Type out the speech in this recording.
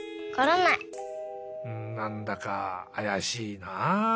うんなんだかあやしいなあ。